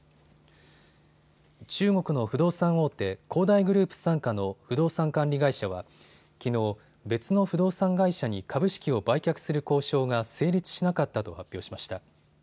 中国の不動産大手、恒大グループ傘下の不動産管理会社はきのう、別の不動産会社に株式を売却する交渉が成立しなかったと発表しました。